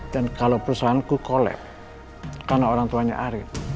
dan kalau perusahaanku kolab karena orang tuanya arian